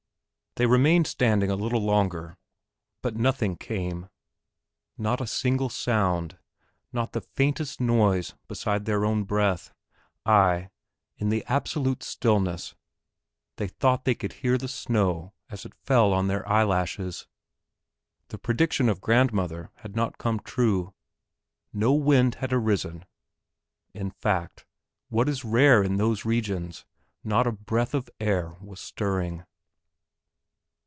They remained standing a little longer, but nothing came, not a single sound, not the faintest noise beside their own breath, aye, in the absolute stillness they thought they could hear the snow as it fell on their eyelashes. The prediction of grandmother had still not come true; no wind had arisen, in fact, what is rare in those regions, not a breath of air was stirring.